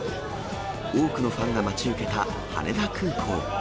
多くのファンが待ち受けた羽田空港。